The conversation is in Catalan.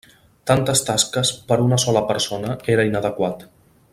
Tantes tasques per una sola persona era inadequat.